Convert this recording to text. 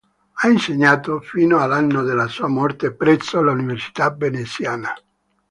Ha insegnato, fino all'anno della sua morte, presso l'università veneziana.